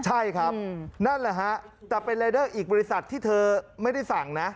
ใช่ครับนั่นแหละฮะแต่เป็นรายเดอร์อีกบริษัทที่เธอไม่ได้สั่งนะ